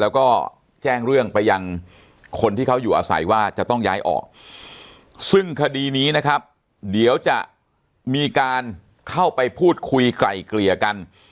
แล้วก็แจ้งเรื่องไปยังคนที่เขาอยู่อาศัยว่าจะต้องย้ายออกซึ่งคดีนี้นะครับเดี๋ยวจะมีการเข้าไปพูดคุยไกล่เกลี่ยกัน